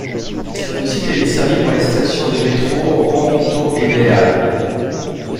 Ce site est desservi par les stations de métro Rambuteau et Les Halles.